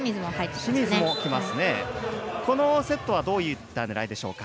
このセットはどういった狙いでしょうか。